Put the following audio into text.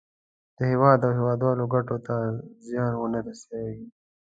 د هېواد او هېوادوالو ګټو ته زیان ونه رسوي.